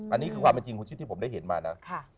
อันนี้คือความจริงของชีวิตที่ผมได้เห็นมานะ